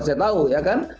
saya tahu ya kan